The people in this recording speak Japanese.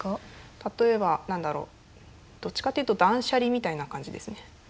例えば何だろうどっちかっていうと断捨離みたいな感じですね。